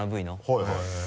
はいはい。